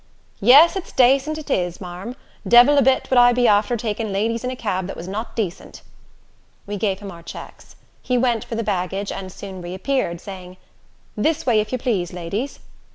"Yes, it's dacent it is, marm. Devil a bit would I be after takin' ladies in a cab that was not dacent." We gave him our checks. He went for the baggage, and soon reappeared, saying, "This way, if you plase, ladies."